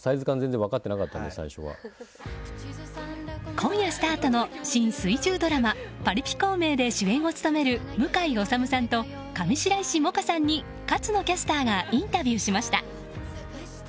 今夜スタートの新水１０ドラマ「パリピ孔明」で主演を務める向井理さんと上白石萌歌さんに勝野キャスターがインタビューしました。